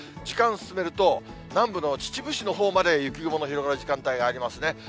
時間進めると、南部の秩父市のほうまで雪雲の広がる時間帯がありますね。